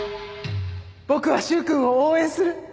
僕は柊君を応援する！